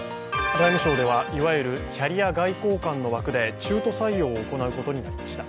外務省ではいわゆるキャリア外交官の枠で、中途採用を行うことになりました。